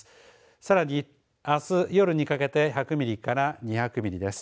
さらに、あす夜にかけて１００ミリから２００ミリです。